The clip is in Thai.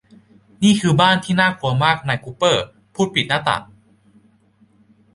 นี่คือบ้านที่น่ากลัวมากนายกุปเปอร์พูดปิดหน้าต่าง